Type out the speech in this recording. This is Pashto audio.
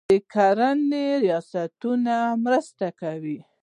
د کرنې ریاستونه مرسته کوي.